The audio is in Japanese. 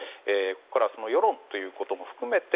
ここからはその世論ということも含めて